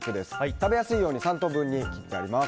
食べやすいように３等分に切ってあります。